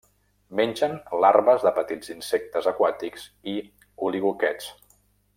Mengen larves de petits insectes aquàtics i oligoquets.